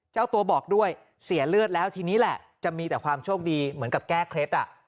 เจ้าตัวบอกด้วยเสียเลือดแล้วทีนี้แหละจะมีแต่ความโชคดีเหมือนกับแก้เคล็ดอ่ะ